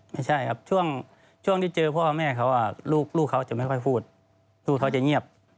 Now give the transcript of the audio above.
ไม่ใช่ครับช่วงที่เจอพ่อแม่เขาลูกเขาจะไม่ค่อยพูดลูกเขาจะเงียบ